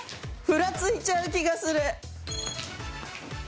ふらついちゃう気がする。